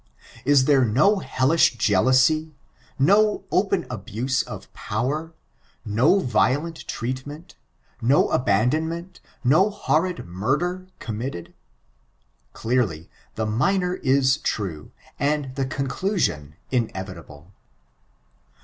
Is there no hellish jealousy, no open abuse of power, no violent treatment, no abandonment, no horrid murder committed t Clearly, the minor is true, and the conclusion inevitable.